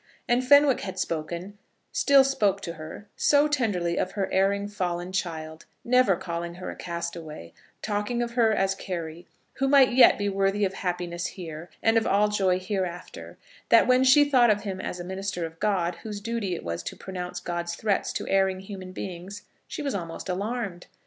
And Fenwick had spoken, still spoke to her, so tenderly of her erring, fallen child, never calling her a castaway, talking of her as Carry, who might yet be worthy of happiness here and of all joy hereafter; that when she thought of him as a minister of God, whose duty it was to pronounce God's threats to erring human beings, she was almost alarmed.